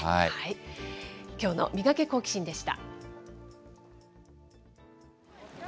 きょうのミガケ、好奇心！でした。